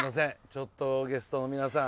ちょっとゲストの皆さん。